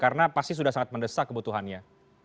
karena pasti sudah sangat mendesak kebutuhannya